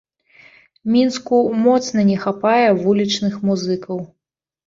Мінску моцна не хапае вулічных музыкаў.